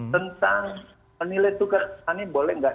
tentang menilai tukar petani boleh nggak